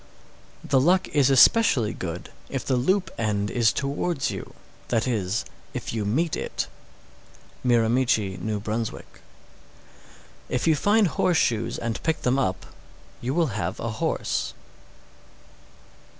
_ 632. The luck is especially good if the loop end is towards you, that is, if you meet it. Miramichi, N.B. 633. If you find horseshoes and pick them up, you will have a horse.